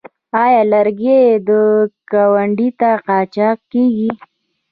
آیا لرګي ګاونډیو ته قاچاق کیږي؟